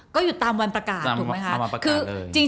ก็หยุดตามวันประกาศถูกไหมคะ